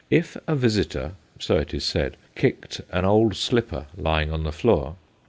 If a visitor (so it is said) kicked an old slipper lying on the floor